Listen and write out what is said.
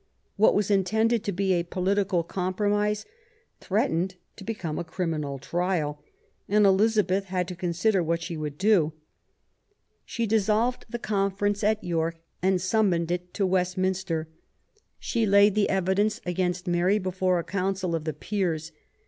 What was intended to be a political com promise threatened to become a criminal trial, and Elizabeth had to consider what she would do. She dissolved the conference at York and summoned it to Westminster. She laid the evidence against Mary before a Council of the Peers.